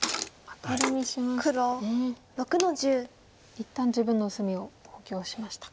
一旦自分の薄みを補強しましたか。